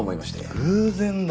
偶然だ。